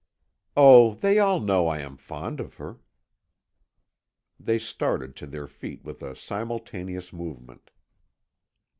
"Oh, they all know I am fond of her " They started to their feet with a simultaneous movement.